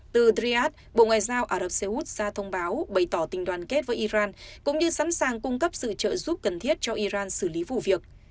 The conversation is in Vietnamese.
từ dyadh bộ ngoại giao ả rập xê út ra thông báo bày tỏ tình đoàn kết với iran cũng như sẵn sàng cung cấp sự trợ giúp cần thiết cho iran xử lý vụ việc